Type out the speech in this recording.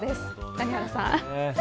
谷原さん。